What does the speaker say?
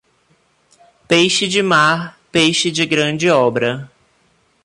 Peixe de mar, peixe de grande obra.